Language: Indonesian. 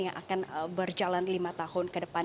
yang akan berjalan lima tahun ke depan